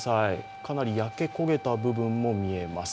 かなり焼け焦げた部分も見えます。